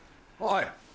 はい。